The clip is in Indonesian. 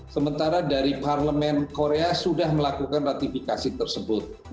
sementara dari parlemen korea sudah melakukan ratifikasi tersebut